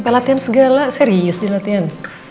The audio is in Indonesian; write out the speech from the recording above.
pelatihan segala serius di latihan